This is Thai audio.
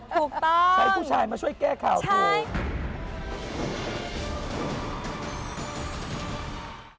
ถูกต้องใช้ผู้ชายมาช่วยแก้ข่าวถูก